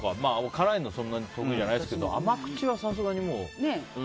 辛いの、そんなに得意じゃないですけど甘口はさすがにもう。